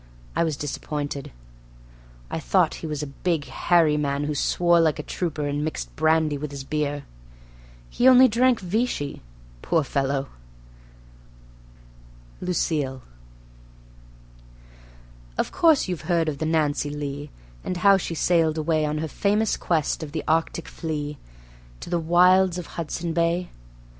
I was disappointed. I thought he was a big, hairy man who swore like a trooper and mixed brandy with his beer. He only drank Vichy, poor fellow! Lucille Of course you've heard of the Nancy Lee, and how she sailed away On her famous quest of the Arctic flea, to the wilds of Hudson's Bay?